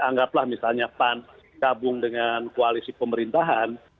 anggaplah misalnya pan gabung dengan koalisi pemerintahan